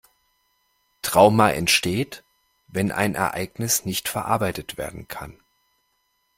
Trauma entsteht, wenn ein Ereignis nicht verarbeitet werden kann.